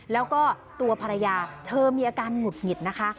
แล้วก็ตัวภรรยาเธอมีอาการหงุดหงิดนะคะ